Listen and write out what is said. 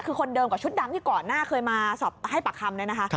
คือคนเดิมกับชุดดำที่ก่อนหน้าเคยมาสอบให้ปากคำเนี่ยนะคะ